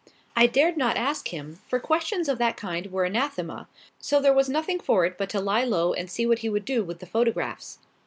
I dared not ask him, for questions of that kind were anathema, so there was nothing for it but to lie low and see what he would do with the photographs.